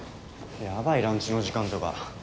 やばいランチの時間とか。